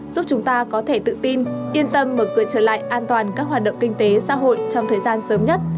giúp chúng ta có thể tự tin yên tâm mở cửa trở lại an toàn các hoạt động kinh tế xã hội trong thời gian sớm nhất